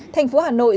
thành phố hà nội